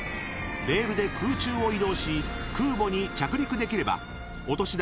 レールで空中を移動し空母に着陸できればお年玉